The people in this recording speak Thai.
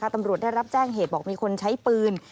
ตำรวจได้รับแจ้งเหตุบอกมีคนใช้ปืน